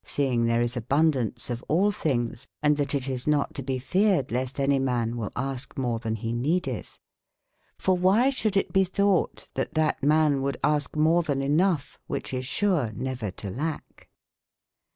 seynge there is abun daunce of all thinges, and that it is not to bee feared, leste anye man wyll aske more then be neadeth* f or whie should it be thougbte that that man woulde aske more then anough, which is sewer never tolacke?